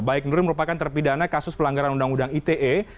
baik nuril merupakan terpidana kasus pelanggaran undang undang ite